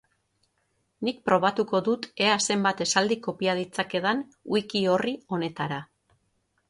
Nik probatuko dut ea zenbat esaldi kopia ditzakedan wiki-orri honetara.